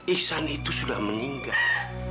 iksan itu sudah meninggal